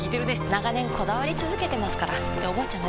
長年こだわり続けてますからっておばあちゃん